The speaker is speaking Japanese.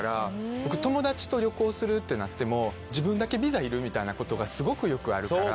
僕友達と旅行するってなっても自分だけビザいるみたいなことがすごくよくあるから。